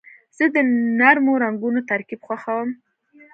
زه د نرمو رنګونو ترکیب خوښوم.